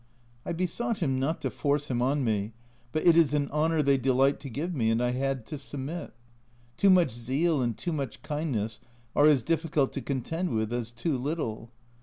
I besought him not to force him on me, but it is an honour they delight to give me, and I had to submit. Too much zeal and too much kindness are as difficult to contend with as too little.